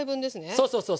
そうそうそう。